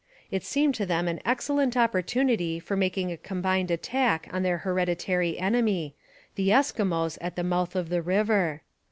It seemed to them an excellent opportunity for making a combined attack on their hereditary enemy, the Eskimos at the mouth of the river.